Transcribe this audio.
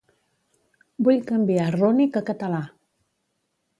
Vull canviar rúnic a català.